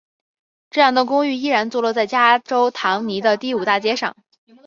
这两栋公寓依然坐落在加州唐尼的第五大街上。